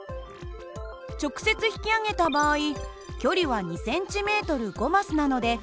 直接引き上げた場合距離は２ｃｍ５マスなので１０ｃｍ。